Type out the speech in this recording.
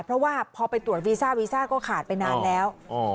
เพราะว่าพอไปตรวจวีซ่าวีซ่าก็ขาดไปนานแล้ว